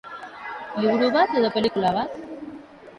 Liburu bat edo pelikula bat?